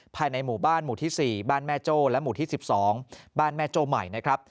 ภายในหมู่บ้านหมู่ที่๔บ้านแม่โจ้และหมู่ที่๑๒บ้านแม่โจ้ใหม่นะครับ